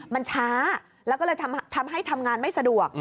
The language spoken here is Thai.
มันช้าแล้วก็เลยทำให้ทำงานไม่สะดวก